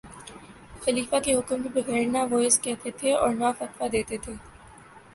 خلیفہ کے حکم کے بغیر نہ وعظ کہتے تھے اور نہ فتویٰ دیتے تھے